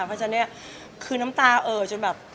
เพราะฉะนั้นเนี่ยคือน้ำตาเอ่อจนแบบ